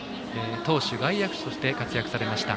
投手、外野手としても活躍されました。